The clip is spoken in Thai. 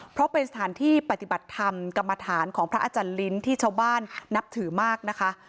เพราะเป็นสถานที่ปฏิบัติธรรมกรรมฐานของพระอาจารย์ลิ้นที่ชาวบ้านนับถือมากนะคะ